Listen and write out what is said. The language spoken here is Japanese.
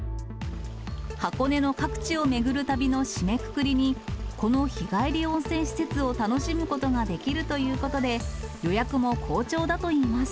箱根の各地を巡る旅の締めくくりに、この日帰り温泉施設を楽しむことができるということで、予約も好調だといいます。